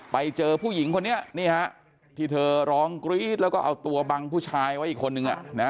ไปเจอผู้หญิงคนนี้นี่ฮะที่เธอร้องกรี๊ดแล้วก็เอาตัวบังผู้ชายไว้อีกคนนึง